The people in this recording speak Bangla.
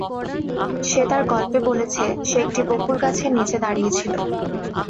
সে তার গল্পে বলেছে, সে একটি বকুলগাছের নিচে দাঁড়িয়ে ছিল।